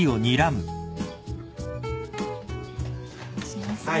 すいません。